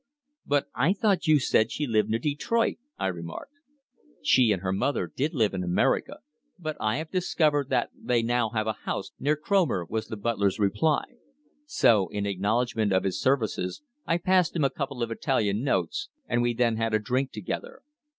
"But I thought you said she lived near Detroit?" I remarked. "She and her mother did live in America, but I have discovered that they now have a house near Cromer," was the butler's reply. So in acknowledgment of his services I passed him a couple of Italian notes, and we then had a drink together.